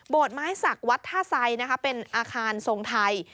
ไม้สักวัดท่าไซเป็นอาคารทรงไทย